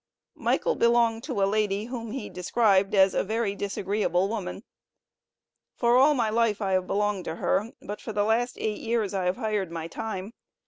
Michael belonged to a lady, whom he described as a "very disagreeable woman." "For all my life I have belonged to her, but for the last eight years I have hired my time.